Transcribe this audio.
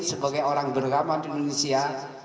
sebagai orang beragama di manusia